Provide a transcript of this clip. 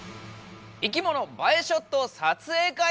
「いきもの映えショット撮影会バトル！」。